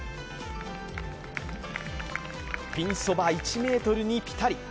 ピンそば１ｍにピタリ。